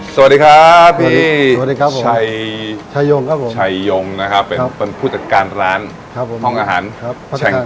สวัสดีครับพี่ชายชายงก็เป็นผู้จัดการร้านครับผมห้องอาหารครับชายง